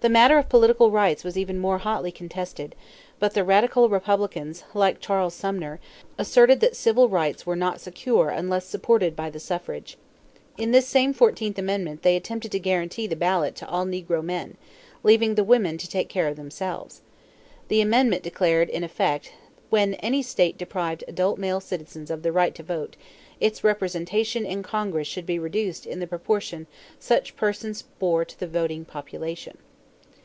The matter of political rights was even more hotly contested; but the radical Republicans, like Charles Sumner, asserted that civil rights were not secure unless supported by the suffrage. In this same fourteenth amendment they attempted to guarantee the ballot to all negro men, leaving the women to take care of themselves. The amendment declared in effect that when any state deprived adult male citizens of the right to vote, its representation in Congress should be reduced in the proportion such persons bore to the voting population.